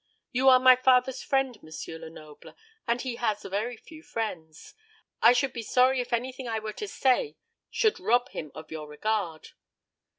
You are my father's friend, M. Lenoble; and he has very few friends. I should be sorry if anything I were to say should rob him of your regard."